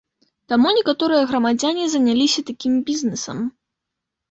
Таму некаторыя грамадзяне заняліся такім бізнэсам.